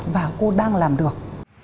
và cô đang làm được